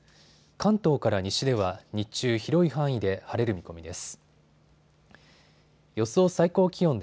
関東から西では日中、広い範囲で晴れる見込みです。